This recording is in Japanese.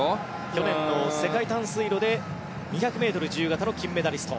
去年の世界短水路で２００ｍ自由形の金メダリスト。